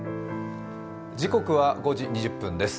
時刻は５時２０分です。